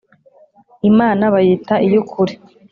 imana bayita iy’ukuri,